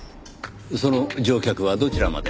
その乗客はどちらまで？